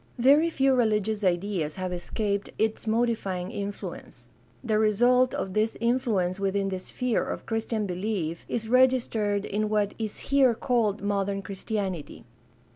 Very few religious ideas have escaped its modifying influence. The result of this influence within the sphere of Christian belief is registered in what is here called modern Christianity.